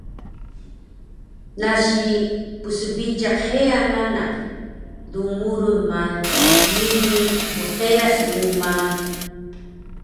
nasi psbiciq heya nanak, dmurun ma migin dqeras mu ma